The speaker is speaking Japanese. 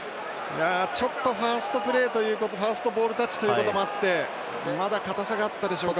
ちょっとファーストプレーファーストボールタッチというところもあってまだ硬さがあったでしょうか。